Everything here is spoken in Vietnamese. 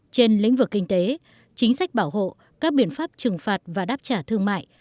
trên lĩnh vực kinh tế chính sách bảo hộ các biện pháp trừng phạt và đáp trả thương mại